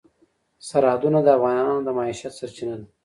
سرحدونه د افغانانو د معیشت سرچینه ده.